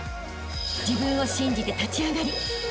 ［自分を信じて立ち上がりあしたへ